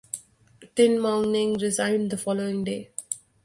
Tin Maung Naing resigned the following day.